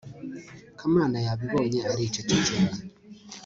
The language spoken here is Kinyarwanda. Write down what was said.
kamana yabibonye aricecekera